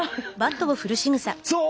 そう！